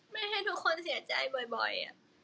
ให้ทุกคนเสียใจบ่อย